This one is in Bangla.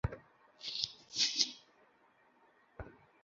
তো এখন কি করবো?